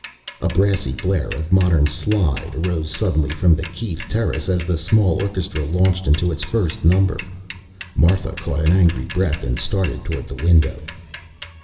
A brassy blare of modern "slide" arose suddenly from the Keith terrace as the small orchestra launched into its first number. Martha caught an angry breath and started toward the window.